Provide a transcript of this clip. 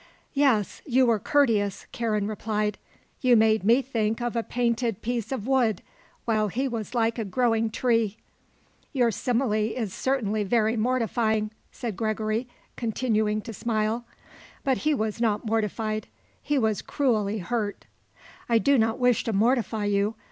"Yes, you were courteous," Karen replied. "You made me think of a painted piece of wood while he was like a growing tree." "Your simile is certainly very mortifying," said Gregory, continuing to smile. But he was not mortified. He was cruelly hurt. "I do not wish to mortify you.